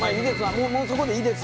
もうそこでいいです。